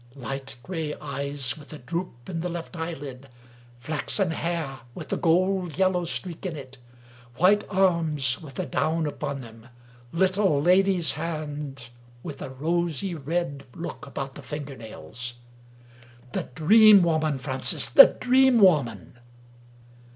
" Light gray eyes, with a droop in the left eyelid. Flaxen hair, with a gold yellow streak in it. White arms, with a down upon them. Little, lady's hand, with a rosy red look about the finger nails. The Dream Woman, Francis! The Dream Woman!"